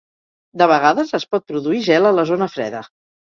De vegades es pot produir gel a la zona freda.